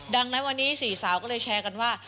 ดังนั้นวันนี้๔สาวก็เลยแชร์กันว่า